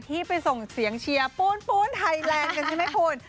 ที่ไปส่งเสียงเชียร์ปูนไทยแลนด์กันใช่ไหมคุณ